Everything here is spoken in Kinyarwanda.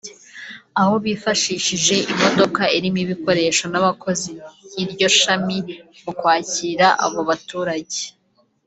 aho bifashishije imodoka irimo ibikoresho n’abakozi b’iryo shami mu kwakira abo baturage